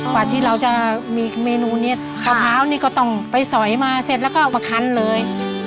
กว่าที่เราจะมีเมนูนี้มะพร้าวนี่ก็ต้องไปสอยมาเสร็จแล้วก็เอามาคันเลย